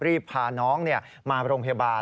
รีบพาน้องมาโรงพยาบาล